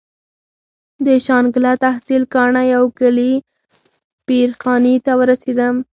د شانګله تحصيل کاڼه يو کلي پير خاني ته ورسېدم.